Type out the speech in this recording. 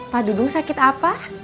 pak dudung sakit apa